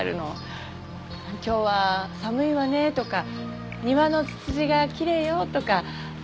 今日は寒いわねとか庭のツツジがきれいよとか。